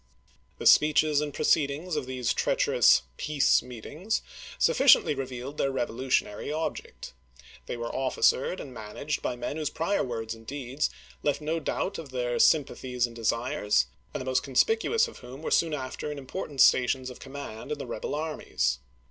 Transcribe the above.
The speeches and proceedings of these treacher ous "peace" meetings sufficiently revealed their revolutionary object. They were officered and managed by men whose prior words and acts left no doubt of their sympathies and desires, and the most conspicuous of whom were soon after in im portant stations of command in the rebel armies.